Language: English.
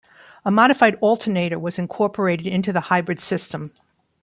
A modified alternator was incorporated into the hybrid system.